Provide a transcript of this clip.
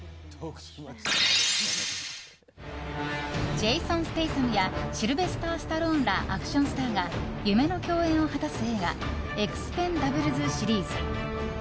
ジェイソン・ステイサムやシルベスター・スタローンらアクションスターが夢の共演を果たす映画「エクスペンダブルズ」シリーズ。